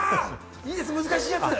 いいですね、難しいやつ。